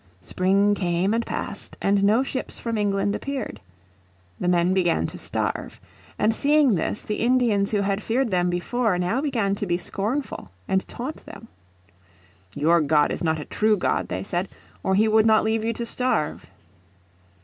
Spring came and passed, and no ships from England appeared. The men began to starve. And seeing this the Indians who had feared them before, now began to be scornful and taunt them. "Your God is not a true god," they said, "or he would not leave you to starve."